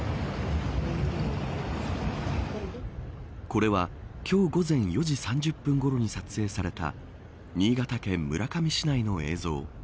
これは今日午前４時３０分ごろに撮影された新潟県村上市内の映像。